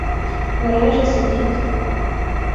— Вараже — судить.